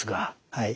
はい。